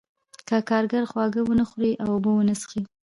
که کارګر خواړه ونه خوري او اوبه ونه څښي